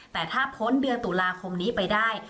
แต่ถ้าพ้นเดือนตุลาคมนี้ไปได้